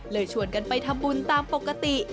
ชวนกันไปทำบุญตามปกติ